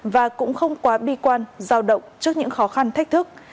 và cũng không quá bi quan giao động trước những khó khăn thách thức